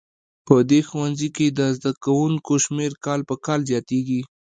په دې ښوونځي کې د زده کوونکو شمېر کال په کال زیاتیږي